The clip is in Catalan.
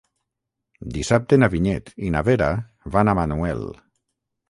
Dissabte na Vinyet i na Vera van a Manuel.